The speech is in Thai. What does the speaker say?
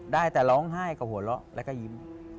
ได้แต่ร้องไห้กับหัวเราะแล้วก็ยิ้ม